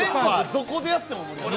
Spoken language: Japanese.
どこでやっても盛り上がる。